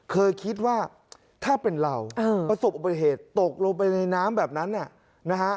เคยคิดว่าถ้าเป็นเราประสบอุปเกตตกลงไปในน้ำแบบนั้น